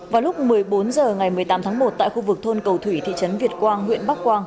vào lúc một mươi bốn h ngày một mươi tám tháng một tại khu vực thôn cầu thủy thị trấn việt quang huyện bắc quang